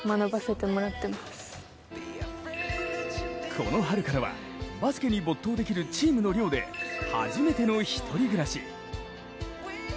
この春からはバスケに没頭できるチームの寮で初めての１人暮らし。